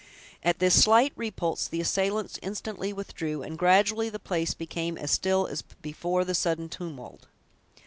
At this slight repulse the assailants instantly withdrew, and gradually the place became as still as before the sudden tumult.